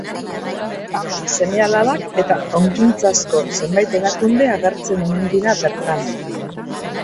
Ama, seme-alabak eta ongintzazko zenbait erakunde agertzen omen dira bertan.